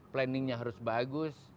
planning nya harus bagus